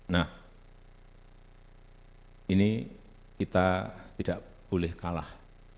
nah ini kita tidak boleh kalah